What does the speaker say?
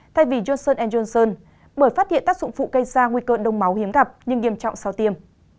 thay vì johnson johnson bởi phát hiện tác dụng phụ cây ra nguy cơ đông máu hiếm gặp nhưng nghiêm trọng sau tiêm